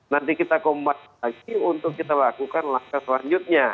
nanti kita kombat lagi untuk kita lakukan langkah selanjutnya